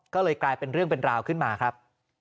ก็เลยกลายเป็นเรื่องเป็นราวขึ้นมาครับ